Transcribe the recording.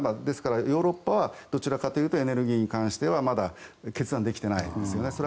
ですからヨーロッパはどちらかというとエネルギーに関してはまだ決断できてないですね。